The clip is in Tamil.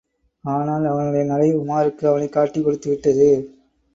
ஆனால், அவனுடைய நடை, உமாருக்கு அவனைக் காட்டிக் கொடுத்துவிட்டது.